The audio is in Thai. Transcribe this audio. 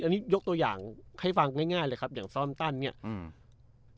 อันนี้ยกตัวอย่างให้ฟังง่ายง่ายเลยครับอย่างฟอร์มตันเนี้ยอืม